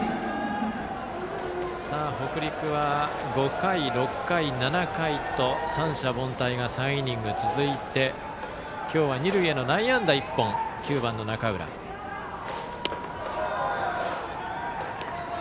北陸は５回、６回、７回と三者凡退が３イニング続いて今日は二塁への内野安打１本の９番の中浦です。